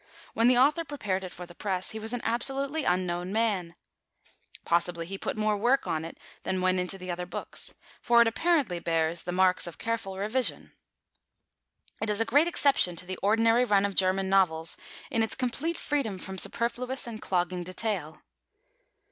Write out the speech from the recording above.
When the author prepared it for the press, he was an absolutely unknown man. Possibly he put more work on it than went into the other books, for it apparently bears the marks of careful revision. It is a great exception to the ordinary run of German novels in its complete freedom from superfluous and clogging detail.